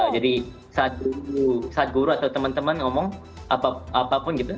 jadi saat guru atau teman teman ngomong apapun gitu